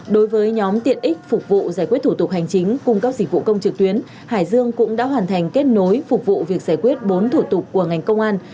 đối với nhóm tiện ích phục vụ giải quyết thủ tục hành chính cung cấp dịch vụ công trực tuyến hải dương cũng đã hoàn thành kết nối phục vụ việc giải quyết bốn thủ tục của ngành công an